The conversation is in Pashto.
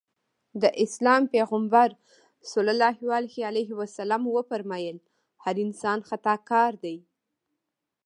د اسلام پيغمبر ص وفرمایل هر انسان خطاکار دی.